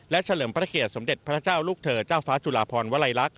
เฉลิมพระเกียรติสมเด็จพระเจ้าลูกเธอเจ้าฟ้าจุลาพรวลัยลักษ